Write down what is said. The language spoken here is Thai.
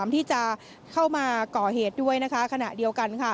ที่จะเข้ามาก่อเหตุด้วยนะคะขณะเดียวกันค่ะ